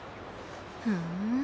ふん。